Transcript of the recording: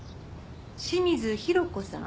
清水裕子さん？